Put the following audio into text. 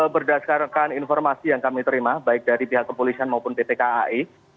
berdasarkan informasi yang kami terima baik dari pihak kepolisian maupun pt kai